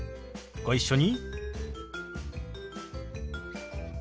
ご一緒に。